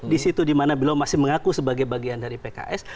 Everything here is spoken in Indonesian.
di situ di mana beliau masih mengaku sebagai bagian dari pks